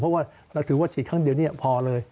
เพราะว่าเราถือว่าฉีดครั้งเดียวพอเลย